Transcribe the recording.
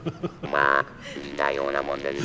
「まあ似たようなもんですね」。